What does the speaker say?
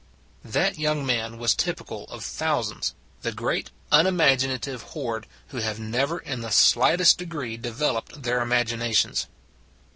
That young man was typical of thou sands the great unimaginative horde who have never in the slightest degree de veloped their imaginations.